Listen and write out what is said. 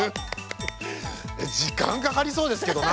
時間かかりそうですけどな。